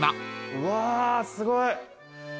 うわすごい！